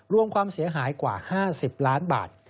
รวมความเสียหายกว่า๕๐ล้านบาท